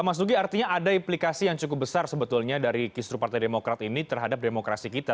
mas nugi artinya ada implikasi yang cukup besar sebetulnya dari kisru partai demokrat ini terhadap demokrasi kita